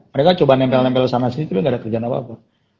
mereka coba nempel nempel sana sini tiba tiba gak ada kerjaan apa apa